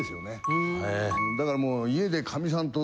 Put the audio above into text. だからもう。